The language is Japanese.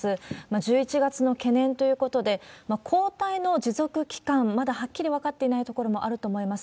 １１月の懸念ということで、抗体の持続期間、まだはっきり分かっていないところもあると思います。